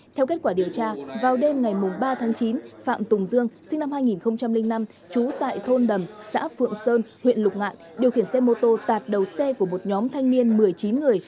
theo kết quả điều tra vào đêm ngày ba tháng chín phạm tùng dương sinh năm hai nghìn năm trú tại thôn đầm xã phượng sơn huyện lục ngạn điều khiển xe mô tô tạt đầu xe của một nhóm thanh niên một mươi chín người